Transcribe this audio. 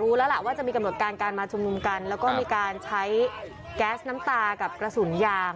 รู้แล้วล่ะว่าจะมีกำหนดการการมาชุมนุมกันแล้วก็มีการใช้แก๊สน้ำตากับกระสุนยาง